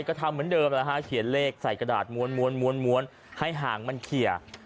ก็ทำเหมือนเดิมแล้วฮะเขียนเลขใส่กระดาษม้วนให้หางมันเคลียร์